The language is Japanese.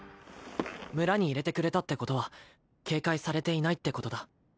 村に入れてくれたってことは警戒されていないってことだ